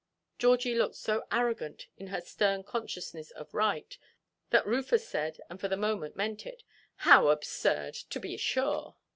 Georgie looked so arrogant in her stern consciousness of right, that Rufus said, and for the moment meant it, "How absurd, to be sure!"